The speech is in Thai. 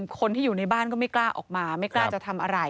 คนที่อยู่ในบ้านก็ไม่กล้าออกมาไม่กล้าจะทำอะไร